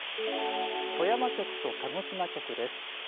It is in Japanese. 富山局と鹿児島局です。